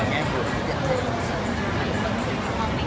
ของเรื่องรักจะเกิดพื้น